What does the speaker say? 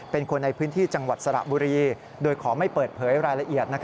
เป็นคนในพื้นที่จังหวัดสระบุรีโดยขอไม่เปิดเผยรายละเอียด